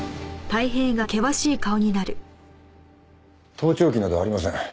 盗聴器などありません。